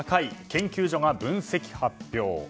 研究所が分析発表。